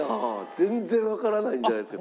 全然わからないんじゃないですか？